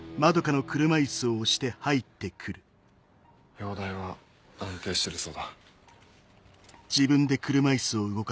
容体は安定してるそうだ。